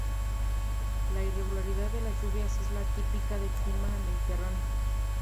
La irregularidad de las lluvias es la típica del clima mediterráneo.